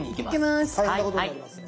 大変なことになりますね。